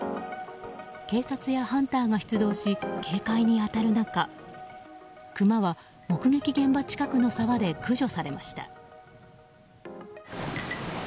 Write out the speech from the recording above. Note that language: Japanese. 警察やハンターが出動し警戒に当たる中クマは目撃現場近くの沢で駆除されました。